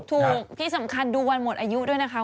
ถูกที่สำคัญดูวันหมดอายุด้วยนะคะ